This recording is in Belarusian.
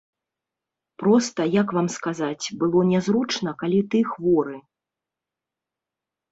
Проста, як вам сказаць, было нязручна, калі ты хворы.